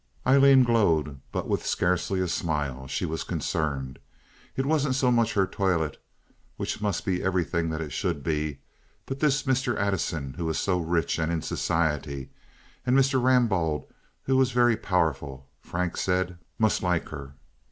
Aileen glowed, but with scarcely a smile. She was concerned. It wasn't so much her toilet, which must be everything that it should be—but this Mr. Addison, who was so rich and in society, and Mr. Rambaud, who was very powerful, Frank said, must like her.